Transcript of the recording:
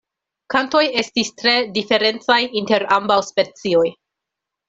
Kantoj estis tre diferencaj inter ambaŭ specioj.